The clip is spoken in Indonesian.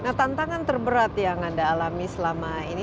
nah tantangan terberat yang anda alami selama ini